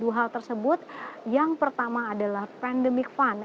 dua hal tersebut yang pertama adalah pandemic fund